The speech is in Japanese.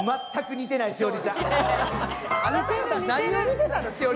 あなた、何を見てたの？